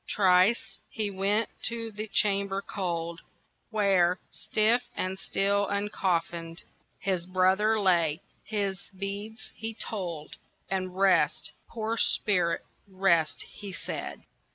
Thrice he went to the chamber cold, Where, stiff and still uncoffinèd, His brother lay, his beads he told, And "Rest, poor spirit, rest," he said.